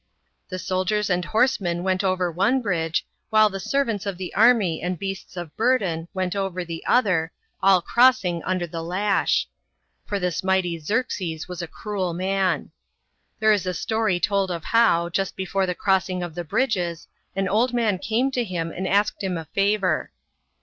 The soldiers and horsemen went over one bridge, while the servants of the army and beasts of burden, went .over the other, all crossing under the lash. ^or this mighty 92 CRUELTY OF XEEXES. [B.C. 480. Xerxes was a cruel man. There is a story told of how, just before the crossing of teie bridges, an old man came to him and asked him a favour.